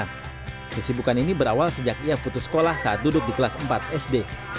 kesibukan ini berawal sejak ia putus sekolah saat duduk di kelas empat sd